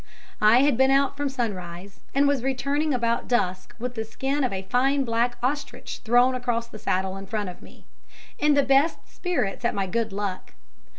I had been out from sunrise, and was returning about dusk with the skin of a fine black ostrich thrown across the saddle in front of me, in the best of spirits at my good luck.